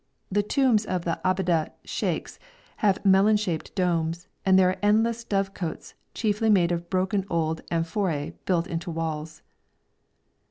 The tombs of the Ababdeh sheikhs have melon shaped domes, and there are endless dovecotes, chiefly made of broken old amphoræ built into walls.